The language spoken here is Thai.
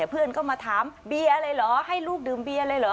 เพื่อนก็มาถามเบียร์อะไรเหรอให้ลูกดื่มเบียร์เลยเหรอ